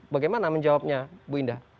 bagaimana menjawabnya bu indah